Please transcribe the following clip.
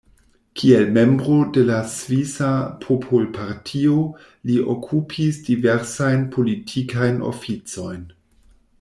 Kiel membro de la Svisa Popolpartio li okupis diversajn politikajn oficojn.